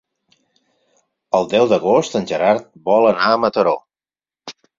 El deu d'agost en Gerard vol anar a Mataró.